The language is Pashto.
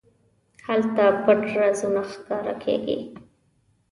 هلته پټ رازونه راښکاره کېږي.